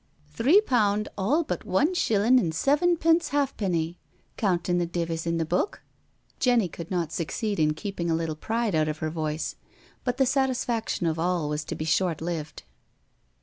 " Three pound all but one shillin' and sevenpence halfpenny, counting the divis in the book." Jenny could not succeed in keeping a little pride out of her voice. But the satisfaction of all was to be short lived.